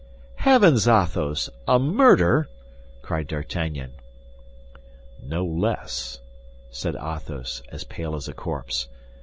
"Heavens, Athos, a murder?" cried D'Artagnan. "No less," said Athos, as pale as a corpse.